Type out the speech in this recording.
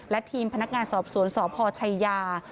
และทีมพนักงานสอบสวนสพชัยยา